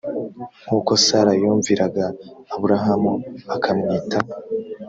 nkuko sara yumviraga aburahamu akamwita